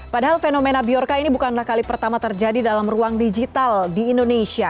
padahal fenomena biorca ini bukanlah kali pertama terjadi dalam ruang digital di indonesia